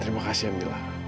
terima kasih mila